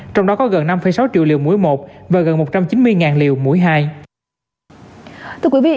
trong đó có gần năm sáu triệu liều một và gần một trăm chín mươi liều mũi hai